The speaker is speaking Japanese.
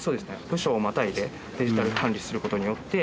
部署をまたいでデジタル管理する事によって。